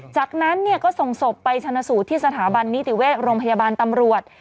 จากนั้นก็ส่งศพไปชนะสูตรที่สถาบันนิติเวชโรงพยาบาลตำรวจ